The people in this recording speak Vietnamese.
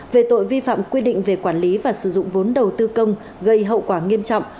về tội vi phạm quy định về quản lý và sử dụng vốn đầu tư công gây hậu quả nghiêm trọng